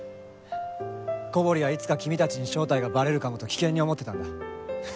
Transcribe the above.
古堀はいつか君たちに正体がバレるかもと危険に思ってたんだ。